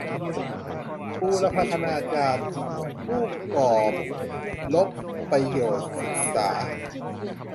บูรพคณาจารย์ ผู้กอปรประโยชน์ศึกษา